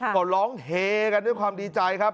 ก็ร้องเฮกันด้วยความดีใจครับ